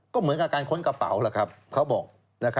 ก็เหมือนกับการค้นกระเป๋าล่ะครับเขาบอก